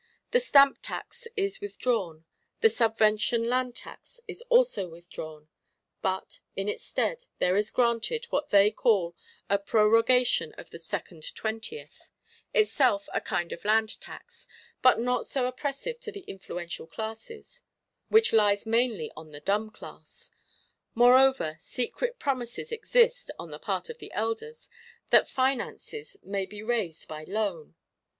The Stamp tax is withdrawn: the Subvention Land tax is also withdrawn; but, in its stead, there is granted, what they call a "Prorogation of the Second Twentieth,"—itself a kind of Land tax, but not so oppressive to the Influential classes; which lies mainly on the Dumb class. Moreover, secret promises exist (on the part of the Elders), that finances may be raised by Loan.